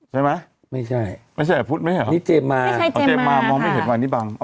ใช่ไหมไม่ใช่ไม่ใช่พุธไม่ใช่เหรอนี่เจมมาไม่ใช่เจมมาค่ะเอาเจมมามองไม่เห็นวันนี้บาง